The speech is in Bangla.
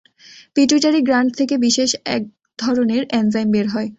পিটুইটারি গ্রান্ড থেকে বিশেষ এক ধরনের এনজাইম বের হয়।